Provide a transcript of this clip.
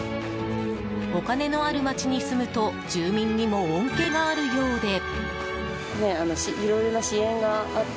お金のあるまちに住むと住民にも恩恵があるようで。